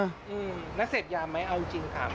นักเสพยาไหมเอาจริงคำ